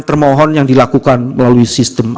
termohon yang dilakukan melalui sistem